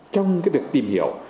trong cái việc tìm hiểu